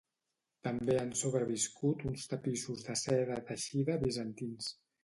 També han sobreviscut uns tapissos de seda teixida bizantins.